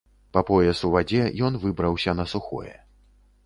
Па пояс у вадзе ён выбраўся на сухое.